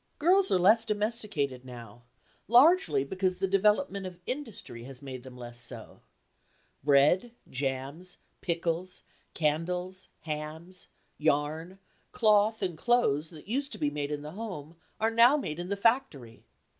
Girls are less domesticated now, largely because the development of industry has made them less so. Bread, jams, pickles, candles, hams, yarn, cloth and clothes that used to be made in the home are now made in the factory.